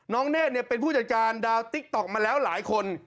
เนธเป็นผู้จัดการดาวติ๊กต๊อกมาแล้วหลายคน